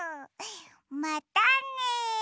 またね！